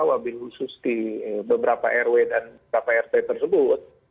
wabil khusus di beberapa rw dan beberapa rt tersebut